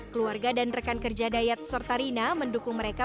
keluarga dan rekan kerja dayat serta rina mendukung mereka